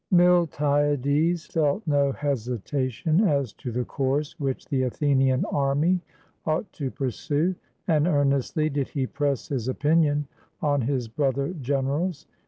] MiLTiADES felt no hesitation as to the course which the Athenian army ought to pursue; and earnestly did he press his opinion on his brother generals.